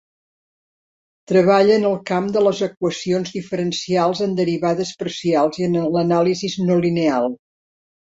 Treballa en el camp de les equacions diferencials en derivades parcials i en l'anàlisi no-lineal.